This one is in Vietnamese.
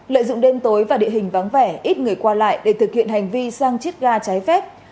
lợi dụng đêm tối và địa hình vắng vẻ ít người qua lại để thực hiện hành vi sang chiết ga trái phép